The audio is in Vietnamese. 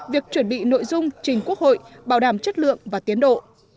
việc chuẩn bị nội dung trình quốc hội bảo đảm chất lượng và tiến độ